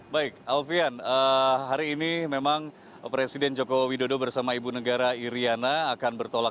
baik alfian hari ini memang presiden joko widodo bersama ibu negara iryana akan bertolak